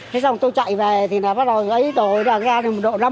thế xong tôi chạy về thì bắt đầu ấy đổi ra